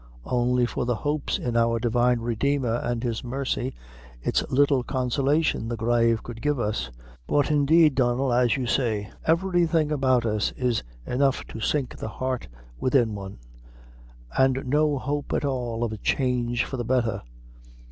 Only for the hopes in our Divine Redeemer an' his mercy, it's little consolation the grave could give us. But indeed, Donnel, as you say, everything about us is enough to sink the heart within one an' no hope at all of a change for the betther.